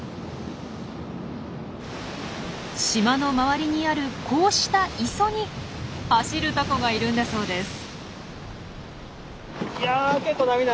島の周りにあるこうした磯に走るタコがいるんだそうです。